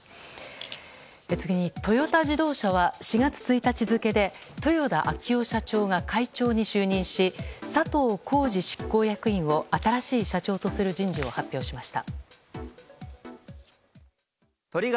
次にトヨタ自動車は４月１日付で豊田章男社長が会長に就任し佐藤恒治執行役員を新しい社長とする人事を発表しました。